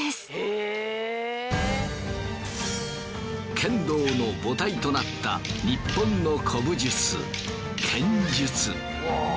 剣道の母体となったニッポンの古武術剣術。